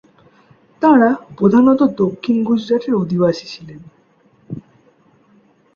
তাঁরা প্রধানত দক্ষিণ গুজরাতের অধিবাসী ছিলেন।